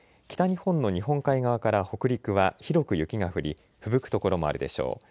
北日本の日本海側から北陸は広く雪が降り、ふぶく所もあるでしょう。